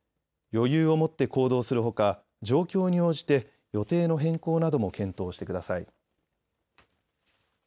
余裕を持って行動するほか状況に応じて予定の変更なども検討してください。